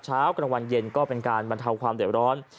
เช้ากลางวันเย็นก็เป็นการบรรเทาความเดือดร้อน